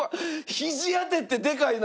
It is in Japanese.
ひじ当てってでかいな！